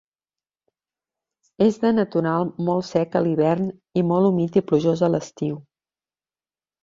És de natural molt sec a l'hivern, i molt humit i plujós a l'estiu.